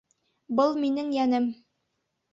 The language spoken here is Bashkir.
Был минең йәнем!